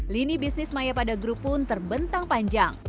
lini bisnis maya pada group pun terbentang panjang